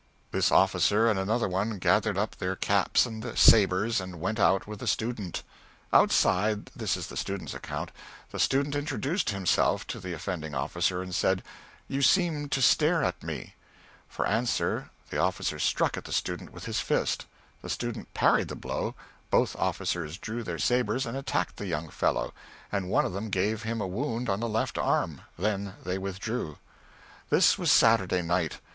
This officer and another one gathered up their caps and sabres and went out with the student. Outside this is the student's account the student introduced himself to the offending officer and said, "You seemed to stare at me"; for answer, the officer struck at the student with his fist; the student parried the blow; both officers drew their sabres and attacked the young fellow, and one of them gave him a wound on the left arm; then they withdrew. This was Saturday night.